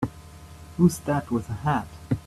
Who's that with the hat?